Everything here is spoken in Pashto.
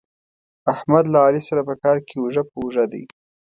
احمد له علي سره په کار کې اوږه په اوږه دی.